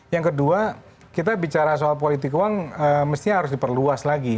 yang kedua kita bicara soal politik uang mestinya harus diperluas lagi